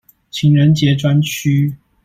情人節專區